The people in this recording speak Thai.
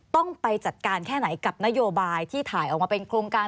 ต้องไปจัดการแค่ไหนกับนโยบายที่ถ่ายออกมาเป็นโครงการ